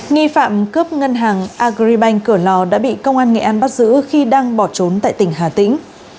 nghi phạm cướp ngân hàng agribank cửa lò đã bị công an nghệ an bắt giữ khi đang bỏ trốn tại tỉnh hà tĩnh